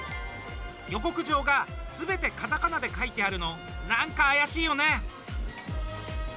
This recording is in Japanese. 予告状がすべてカタカナで書いてあるの何か怪しいよね？